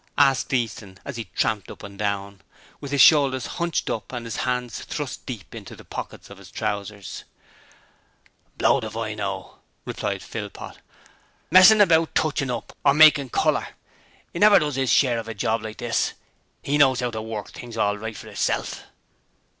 asked Easton as he tramped up and down, with his shoulders hunched up and his hands thrust deep into the pockets of his trousers. 'Blowed if I know,' replied Philpot. 'Messin' about touchin' up or makin' colour. He never does 'is share of a job like this; 'e knows 'ow to work things all right for 'isself.'